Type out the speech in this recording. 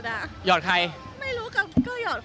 หยอดเขคนไหน